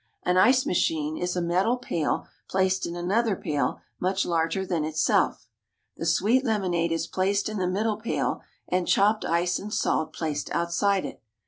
An ice machine is a metal pail placed in another pail much larger than itself. The "sweet lemonade" is placed in the middle pail, and chopped ice and salt placed outside it.